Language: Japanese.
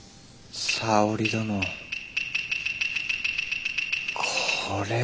沙織殿これは。